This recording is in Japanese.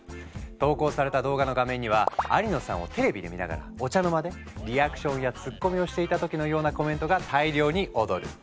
投稿された動画の画面には有野さんをテレビで見ながらお茶の間でリアクションやツッコミをしていた時のようなコメントが大量に踊る。